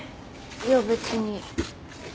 いや別に。